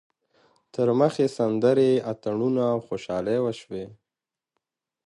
تر مخ یې سندرې، اتڼونه او خوشحالۍ وشوې.